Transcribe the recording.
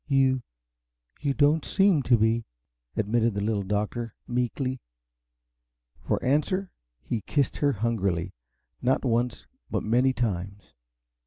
"You you don't SEEM to be," admitted the Little Doctor, meekly. For answer he kissed her hungrily not once, but many times.